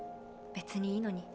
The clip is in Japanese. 別にいいのに。